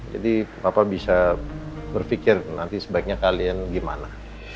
jadi papa bisa berpikir nanti sebaiknya kalian gimana